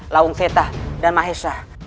lawung setah dan mahesha